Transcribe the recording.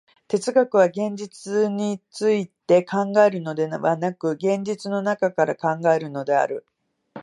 哲学は現実について考えるのでなく、現実の中から考えるのである。